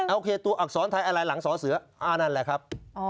โอเคตัวอักษรไทยอะไรหลังสอเสืออ่านั่นแหละครับ